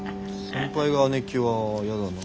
先輩が姉貴はヤだな。